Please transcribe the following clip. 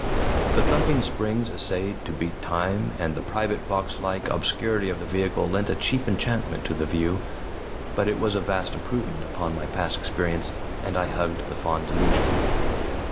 The thumping springs essayed to beat time, and the private box like obscurity of the vehicle lent a cheap enchantment to the view. But it was a vast improvement upon my past experience, and I hugged the fond delusion.